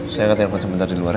saya akan telepon sebentar di luar